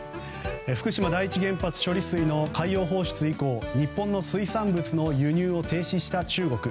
福島第一原発処理水の海洋放出以降日本の水産物の輸入停止をした中国。